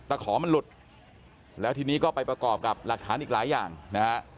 ขอมันหลุดแล้วทีนี้ก็ไปประกอบกับหลักฐานอีกหลายอย่างนะฮะ